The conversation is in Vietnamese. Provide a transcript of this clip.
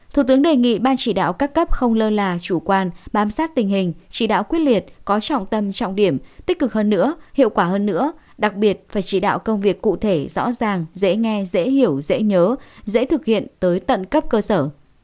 thủ tướng đề nghị ban chỉ đạo các cấp không lơ là chủ quan bám sát tình hình chỉ đạo quyết liệt có trọng tâm trọng điểm tích cực hơn nữa hiệu quả hơn nữa đặc biệt phải chỉ đạo công việc cụ thể rõ ràng dễ nghe dễ hiểu dễ nhớ dễ thực hiện tới tận cấp cơ sở